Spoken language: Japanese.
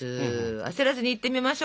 焦らずにいってみましょ。